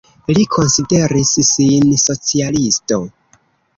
Li konsideris sin socialisto.